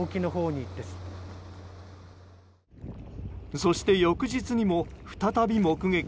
そして翌日にも再び目撃。